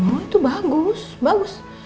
oh itu bagus bagus